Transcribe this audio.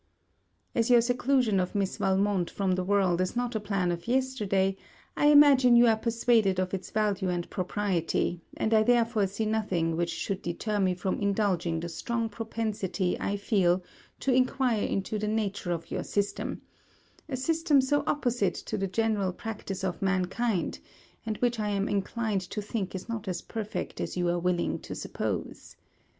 As your seclusion of Miss Valmont from the world is not a plan of yesterday, I imagine you are persuaded of its value and propriety, and I therefore see nothing which should deter me from indulging the strong propensity I feel to enquire into the nature of your system; a system so opposite to the general practice of mankind, and which I am inclined to think is not as perfect as you are willing to suppose.